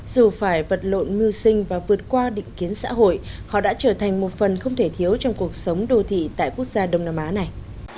dù phải vật lộn mưu sinh và vượt qua định kiến xã hội họ đã trở thành một phần không thể thiếu trong cuộc sống đô thị tại quốc gia đông nam á này